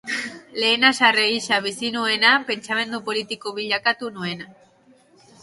Lehen haserre gisa bizi nuena, pentsamendu politiko bilakatu nuen.